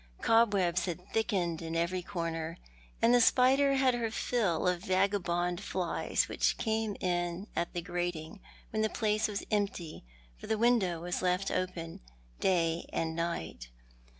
Cobwebs had thickened in every corner, and the spider had her fill of vagabond flies which came in at the grating when the place was empty, for the window was left open day and night.